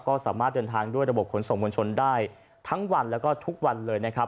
ก็สามารถเดินทางด้วยระบบขนส่งมวลชนได้ทั้งวันแล้วก็ทุกวันเลยนะครับ